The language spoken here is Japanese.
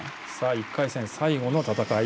１回戦、最後の戦い。